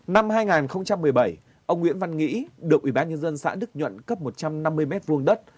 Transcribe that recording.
năm hai nghìn một mươi bảy ông nguyễn văn nghĩ được ủy ban nhân dân xã đức nhuận cấp một trăm năm mươi m hai đất